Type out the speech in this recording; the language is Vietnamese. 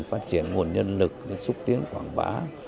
phát triển nguồn nhân lực xúc tiến quảng bá